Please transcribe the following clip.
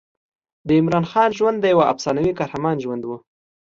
د عمراخان ژوند د یوه افسانوي قهرمان ژوند و.